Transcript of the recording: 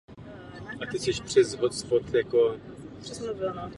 Vysoká cena by podle některých ředitelů škol mohla být bariérou pro další šíření písma.